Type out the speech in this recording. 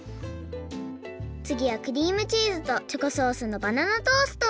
つぎはクリームチーズとチョコソースのバナナトースト！